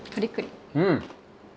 うん！